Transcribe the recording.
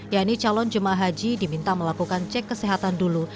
yakni calon jemaah haji diminta melakukan cek kesehatan dulu